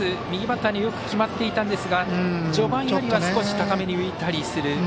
右バッターによく決まっていたんですが序盤よりは少し高めに浮いたりする。